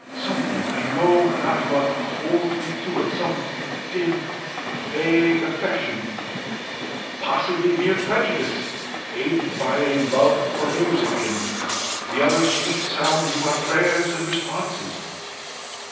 Something, I know not what, holds me to it some dim vague affection, possibly mere prejudice, aided by a love for music, and the other sweet sounds of our prayers and responses.